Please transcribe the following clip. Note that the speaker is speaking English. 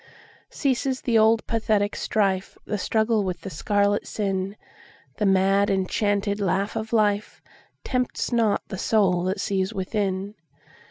Ceases the old pathetic strife, The struggle with the scarlet sin:The mad enchanted laugh of lifeTempts not the soul that sees within.